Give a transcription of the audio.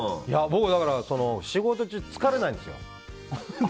僕、仕事中、疲れないんですよ。